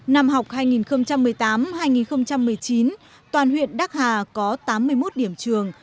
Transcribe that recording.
năm học hai nghìn một mươi tám hai nghìn một mươi chín toàn huyện đắc hà có tám mươi một điểm trường